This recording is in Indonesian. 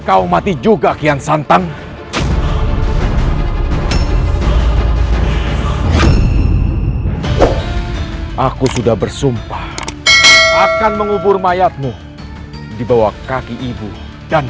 kalau kalian masih sayang dengan nyawa kalian